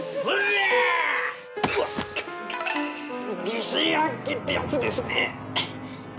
疑心暗鬼ってやつですね。